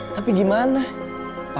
tapi gak ada yang bisa kita lakukan